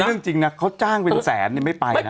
เลยจริงเขาจ้างเงินแสนเนี่ยไม่ไปนะ